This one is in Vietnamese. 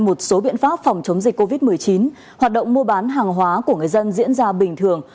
một số biện pháp phòng chống dịch covid một mươi chín hoạt động mua bán hàng hóa của người dân diễn ra bình thường